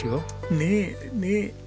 ねえねえ。